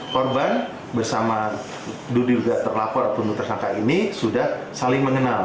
korban bersama duduk terlapor atau tersangka ini sudah saling mengenal